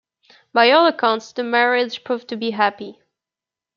By all accounts, the marriage proved to be happy.